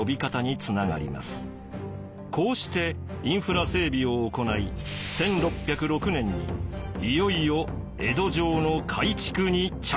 こうしてインフラ整備を行い１６０６年にいよいよ江戸城の改築に着手しました。